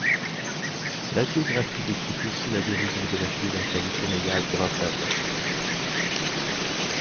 L'hagiographie décrit aussi la guérison de la fille d'un calife omeyyade grâce à Jean.